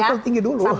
call tinggi dulu